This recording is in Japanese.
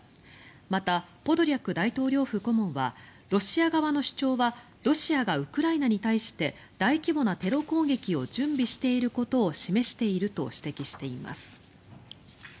また、ポドリャク大統領府顧問はロシア側の主張はロシアがウクライナに対して大規模なテロ攻撃を準備していることを示していると指摘しています。